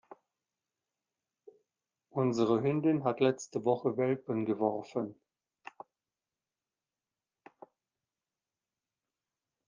Unsere Hündin hat letzte Woche Welpen geworfen.